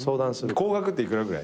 高額って幾らぐらい？